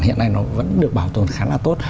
hiện nay nó vẫn được bảo tồn khá là tốt